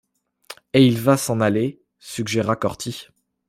et il va s’en aller… suggéra Corty.